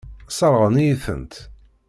Sseṛɣen-iyi-tent.